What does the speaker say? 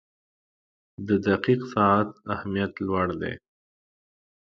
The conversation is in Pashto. • د دقیق ساعت اهمیت لوړ دی.